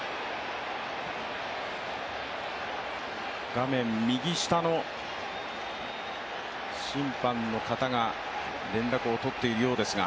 画面右下の審判の方が連絡を取っているようですが。